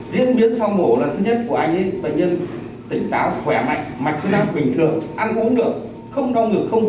diễn biến sau mổ là thứ nhất của anh ấy bệnh nhân tỉnh táo khỏe mạnh mạch tính năng bình thường ăn uống được không đau ngực không có thở